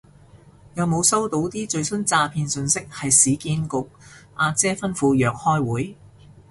有冇收到啲最新詐騙訊息係市建局阿姐吩咐約開會